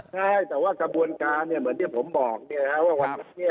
ใช่แต่ว่ากระบวนการเนี่ยเหมือนที่ผมบอกเนี่ย